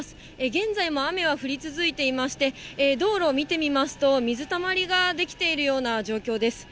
現在も雨は降り続いていまして、道路を見てみますと、水たまりが出来ているような状況です。